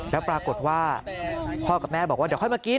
แล้วปรากฏว่าพ่อกับแม่บอกว่าเดี๋ยวค่อยมากิน